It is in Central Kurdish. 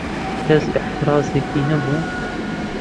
کەس ئێعترازێکی نەبوو